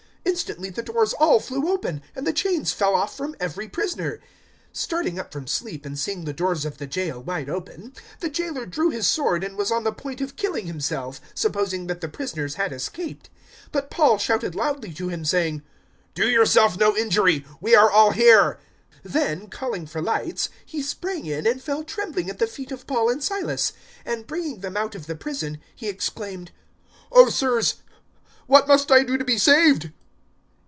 Instantly the doors all flew open, and the chains fell off from every prisoner. 016:027 Starting up from sleep and seeing the doors of the jail wide open, the jailer drew his sword and was on the point of killing himself, supposing that the prisoners had escaped. 016:028 But Paul shouted loudly to him, saying, "Do yourself no injury: we are all here. 016:029 Then, calling for lights, he sprang in and fell trembling at the feet of Paul and Silas; 016:030 and, bringing them out of the prison, he exclaimed, "O sirs, what must I do to be saved?"